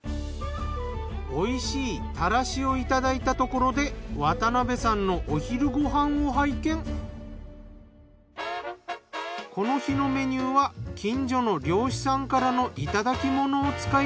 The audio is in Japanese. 美味しいたらしをいただいたところで渡邊さんのこの日のメニューは近所の漁師さんからのいただきものを使います。